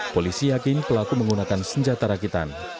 polisi yakin pelaku menggunakan senjata rakitan